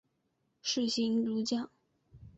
士行如将。